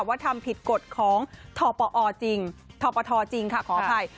ว่าทำผิดกฎของธภจริงธภจริงค่ะขออภัย